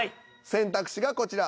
選択肢がこちら。